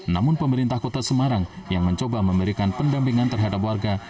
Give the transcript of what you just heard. namun pemerintah kota semarang yang mencoba memberikan pendampingan terhadap warga